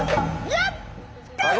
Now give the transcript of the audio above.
やった！